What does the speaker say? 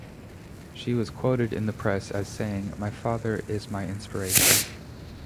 She was quoted in the press as saying, my father is my inspiration.